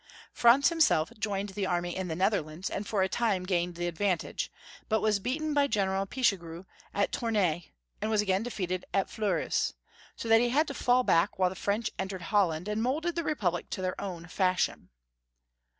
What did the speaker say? Franz himself joined the army in the Netherlands, and for a time gained the advantage, but was beaten by General Pichegru at Tournay, and was again defeated at Fleurus ; so that he had to fall back while the French entered Holland, and moulded the Republic to their own fashion.